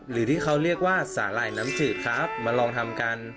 หรือที่เขาเรียกว่าสาหร่ายน้ำจืดครับมาลองทำกัน